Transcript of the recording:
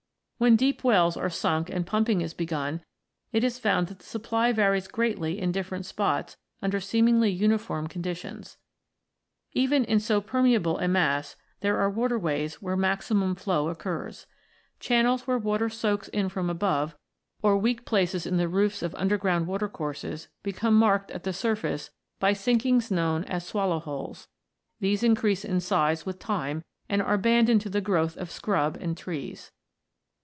When deep wells are sunk and pumping is begun, it is found that the supply varies greatly in different spots under seemingly uniform conditions. Even in so permeable a mass, there are waterways where maximum flow occurs. Channels where water soaks in from above, or weak places in the roofs of 44 ROCKS AND THEIR ORIGINS [CH. underground watercourses, become marked at the surface by sinkings known as swallow holes. These increase in size with time, and are abandoned to the growth of scrub and trees.